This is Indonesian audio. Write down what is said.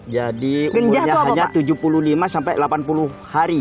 jadi umurnya hanya tujuh puluh lima sampai delapan puluh hari